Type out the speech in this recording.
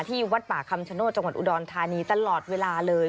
ที่วัดป่าคำชโนธจังหวัดอุดรธานีตลอดเวลาเลย